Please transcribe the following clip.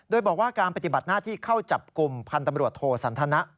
โดยบอกว่าการปฏิบัติหน้าที่เข้าจับกลุ่มพันธ์ตำรวจโทสันทนะ